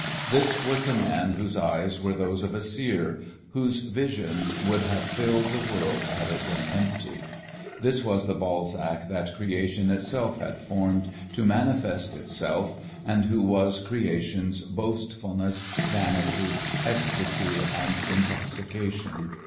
This was the man whose eyes were those of a seer, whose visions would have filled the world had it been empty. This was the Balzac that Creation itself had formed to manifest itself and who was Creation's boastfulness, vanity, ecstasy and intoxication.